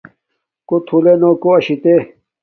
کݸ تھُلݺ نݸ کݸ اَشِتݺ.